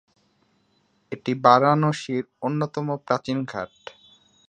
এটি বারাণসীর অন্যতম প্রাচীন ঘাট।